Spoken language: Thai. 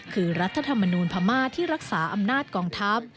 คือรัฐธรรมนูลพม่าที่รักษาอำนาจกองทัพ